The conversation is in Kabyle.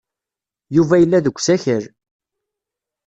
Yuba yella deg usakal.